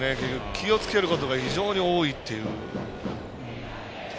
気をつけることが非常に多いという。